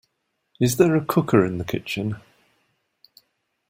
Is there a cooker in the kitchen?